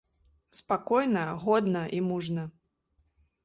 Спакойна, годна і мужна.